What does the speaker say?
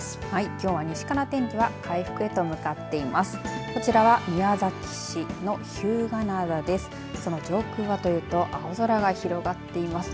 きょうは西から天気は回復へと向かっています。